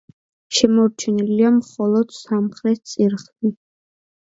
შემორჩენილია მხოლოდ სამხრეთ წირთხლი.